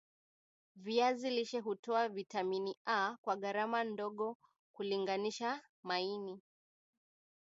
Viazi lishe hutoa Vitamini A kwa gharama ndogo kulinganisha maini